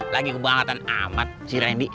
lagi kebangetan amat si randi